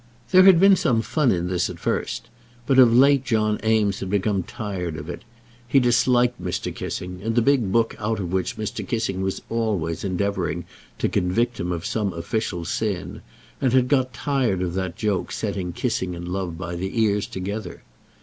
There had been some fun in this at first; but of late John Eames had become tired of it. He disliked Mr. Kissing, and the big book out of which Mr. Kissing was always endeavouring to convict him of some official sin, and had got tired of that joke of setting Kissing and Love by the ears together.